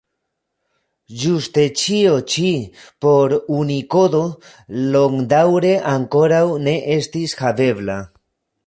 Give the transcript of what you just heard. Ĝuste ĉio ĉi por Unikodo longdaŭre ankoraŭ ne estis havebla.